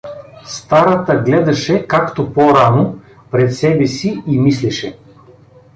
Старата гледаше, както по-рано, пред себе си и мислеше.